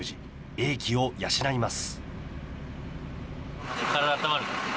英気を養います。